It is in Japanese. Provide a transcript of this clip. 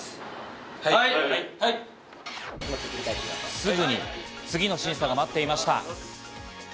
すぐに次の審査が待っていました。